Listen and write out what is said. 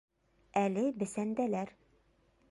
Әле бесәндәләр.